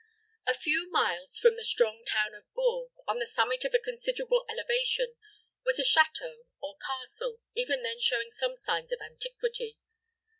A few miles from the strong town of Bourges, on the summit of a considerable elevation, was a château or castle, even then showing some signs of antiquity.